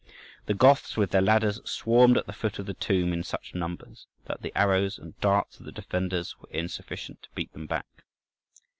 The Goths, with their ladders, swarmed at the foot of the tomb in such numbers, that the arrows and darts of the defenders were insufficient to beat them back.